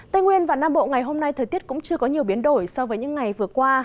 tây nguyên và nam bộ ngày hôm nay thời tiết cũng chưa có nhiều biến đổi so với những ngày vừa qua